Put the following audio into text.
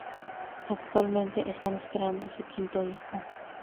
Actualmente están esperando su quinto hijo.